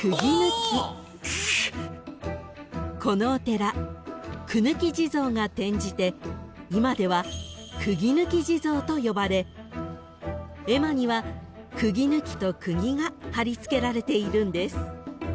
［このお寺苦抜き地蔵が転じて今では釘抜地蔵と呼ばれ絵馬には釘抜きと釘が張り付けられているんです］